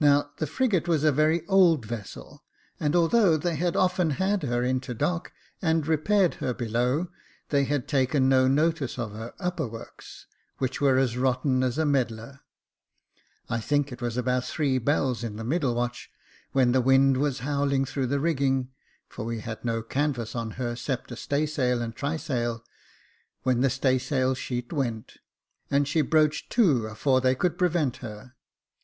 Now, the frigate was a very old vessel, and although they had often had her into dock and repaired her below, they had taken no notice of her upper works, which were as rotten as a medlar. I think it was about three bells in the middle watch, when the wind was howling through the rigging, for we had no canvas on her 'cept a staysail and trysail, when the staysail sheet went, and she broached to afore they could prevent her.